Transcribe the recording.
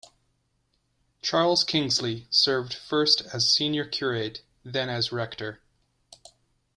Charles Kingsley served first as senior curate then as rector.